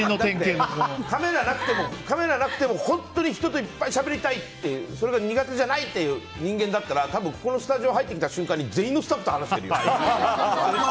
カメラなくても本当に人といっぱいしゃべりたいっていうそれが苦手じゃないっていう人間だったら多分、ここのスタジオに入った時全員のスタッフと話してるよ。